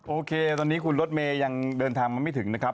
โอเคตอนนี้คุณรถเมย์ยังเดินทางมาไม่ถึงนะครับ